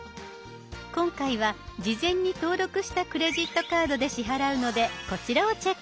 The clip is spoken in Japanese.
今回は事前に登録したクレジットカードで支払うのでこちらをチェック。